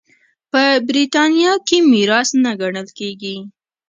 په برېټانیا کې میراث نه ګڼل کېږي.